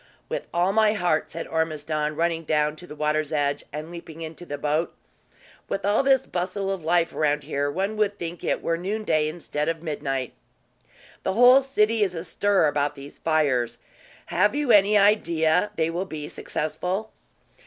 "With all my heart," said Ormiston, running down to the water's edge, and leaping into the boat. "With all this bustle of life around here, one would think it were noonday instead of midnight." "The whole city is astir about these fires. Have you any idea they will be successful?"